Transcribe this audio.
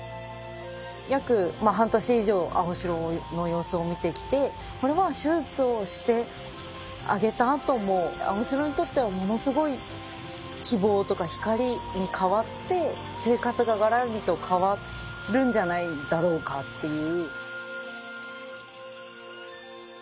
約半年以上アオシロの様子を見てきてこれは手術をしてあげたあともアオシロにとってはものすごい希望とか光に変わって生活ががらりと変わるんじゃないだろうかっていう。